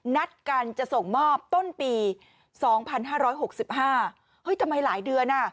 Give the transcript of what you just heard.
นัดกันจะส่งมอบต้นปี๒๕๖๕เฮ้ยทำไมหลายเดือนอ่ะ